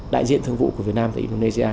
đại diện thương vụ của việt nam tại indonesia